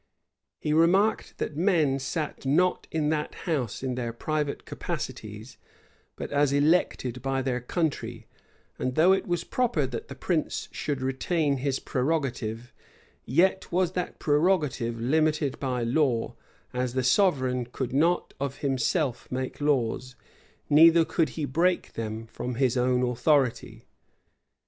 He remarked, that men sat not in that house in their private capacities, but as elected by their country; and though it was proper that the prince should retain his prerogative, yet was that prerogative limited by law: as the sovereign could not of himself make laws, neither could he break them merely from his own authority.